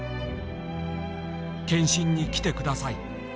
「検診に来て下さい。